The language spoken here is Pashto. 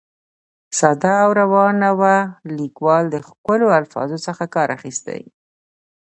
ساده او روانه وه، ليکوال د ښکلو الفاظو څخه کار اخیستى.